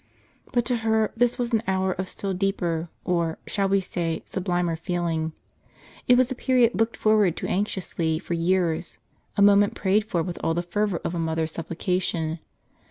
But to her this was an hour of still deeper, or, shall we say, sublimer feeling. It was a period looked forward to anxiously for years ; a moment prayed for with all the fervor of a mother's supplication.